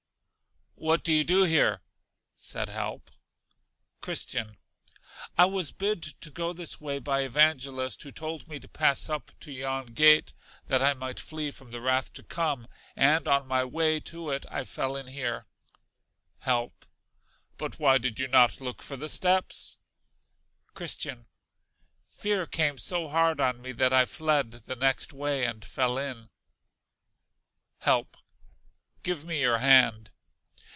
What do you do here? said Help. Christian. I was bid to go this way by Evangelist, who told me to pass up to yon gate, that I might flee from the wrath to come, and on my way to it I fell in here. Help. But why did you not look for the steps? Christian. Fear came so hard on me that I fled the next way and fell in. Help. Give me your hand.